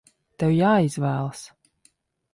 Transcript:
Tev jāizvēlas!